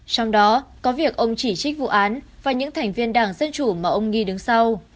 trong đó có việc ông chỉ trích vụ án và những thành viên đảng dân chủ mà ông nghi đứng sau